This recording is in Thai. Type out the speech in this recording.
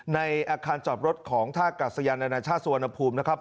ในอาคารจอดรถของท่ากาศยานานาชาติสุวรรณภูมินะครับ